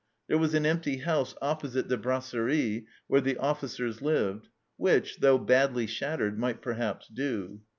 There was an empty house opposite the brasserie where the officers lived, which, though badly shattered, might perhaps do.